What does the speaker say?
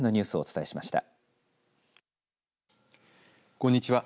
こんにちは。